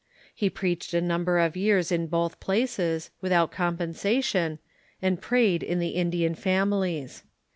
He preached a number of years in both places, Avithout compensation, and prayed in the Indian families.